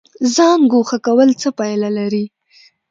ځان ګوښه کول څه پایله لري؟